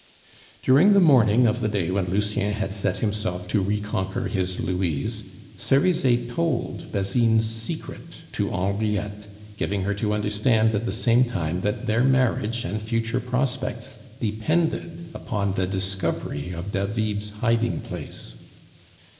During the morning of the day when Lucien had set himself to reconquer his Louise, Cerizet told Basine's secret to Henriette, giving her to understand at the same time that their marriage and future prospects depended upon the discovery of David's hiding place.